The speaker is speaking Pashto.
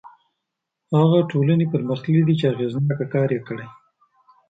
هغه ټولنې پرمختللي دي چې اغېزناک کار یې کړی.